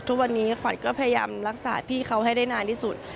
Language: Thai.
ทุกวันนี้ขวัญก็พยายามรักษาพี่เขาให้ได้นานที่สุด